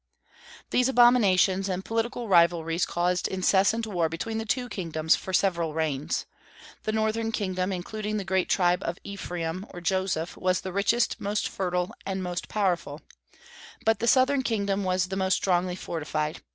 These abominations and political rivalries caused incessant war between the two kingdoms for several reigns. The northern kingdom, including the great tribe of Ephraim or Joseph, was the richest, most fertile, and most powerful; but the southern kingdom was the most strongly fortified.